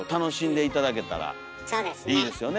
いいですよね